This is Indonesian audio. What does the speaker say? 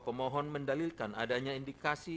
pemohon mendalilkan adanya indikasi